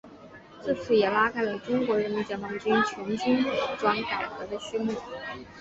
自此也拉开了中国人民解放军全军服装改革的序幕。